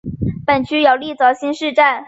本区有立泽新市镇。